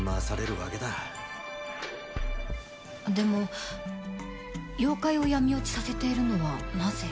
でも妖怪を闇落ちさせているのはなぜ？